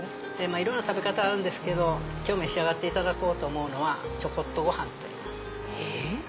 いろいろ食べ方あるんですけど今日召し上がっていただこうと思うのは。と言います。え？